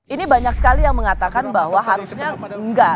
ini banyak sekali yang mengatakan bahwa harusnya enggak